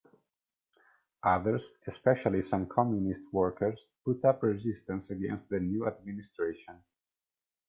Others, especially some communist workers, put up resistance against the new administration.